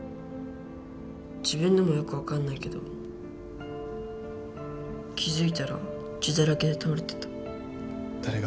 自分でもよく分かんないけど気付いたら血だらけで倒れていた。